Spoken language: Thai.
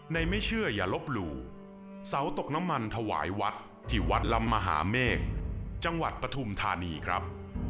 ไม่เชื่ออย่าลบหลู่เสาตกน้ำมันถวายวัดที่วัดลำมหาเมฆจังหวัดปฐุมธานีครับ